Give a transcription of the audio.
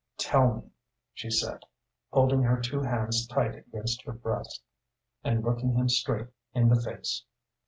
"Tell me," she said, holding her two hands tight against her breast, and looking him straight in the face.